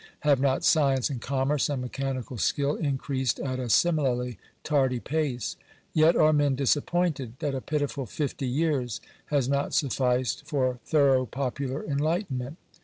Have not science and commerce and mechanical skill increased at a similarly tardy pace ? Yet are men disappointed that a pitiful fifty years has not sufficed for thorough popular enlighten ment